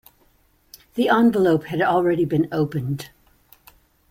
The envelope had already been opened.